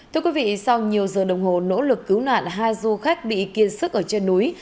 thưa quý vị sau nhiều giờ đồng hồ nỗ lực cứu nạn hai du khách bị kiên sức ở trên núi